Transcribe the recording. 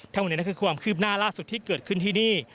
ทั้งหมดนี้คือความคืบหน้าล่าสุดที่เกิดขึ้นที่นี่